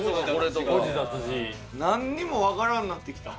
なんにもわからんなってきた。